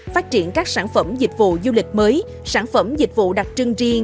phát triển các sản phẩm dịch vụ du lịch mới sản phẩm dịch vụ đặc trưng riêng